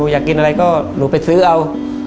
อยากกินอะไรก็หนูไปซื้อเอา